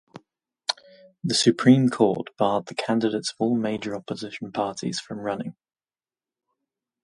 The Supreme Court barred the candidates of all major opposition parties from running.